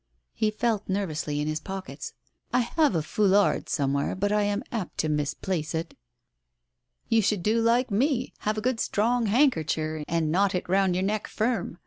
H.e felt nervously in his pockets. " I have a foulard somewhere, but I am apt to mislay it." "You should do like me, have a good strong handker cher and knot it round your neck firm.